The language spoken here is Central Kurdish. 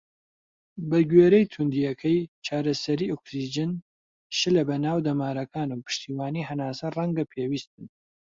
بەگوێرەی تووندیەکەی، چارەسەری ئۆکسجین، شلە بە ناو دەمارەکان، و پشتیوانی هەناسە ڕەنگە پێویست بن.